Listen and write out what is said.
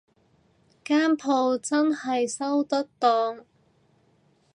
間舖真係收得檔